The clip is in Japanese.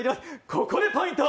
ここでポイント。